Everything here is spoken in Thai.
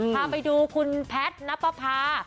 พาไปดูคุณแพทย์นับประพา